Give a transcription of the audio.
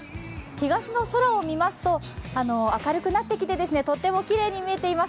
東の空を見ますと、明るくなってきてとてもきれいに見えています。